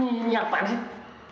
ini apaan sih